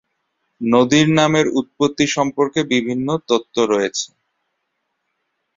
নদীর নামের উৎপত্তি সম্পর্কে বিভিন্ন তত্ত্ব রয়েছে।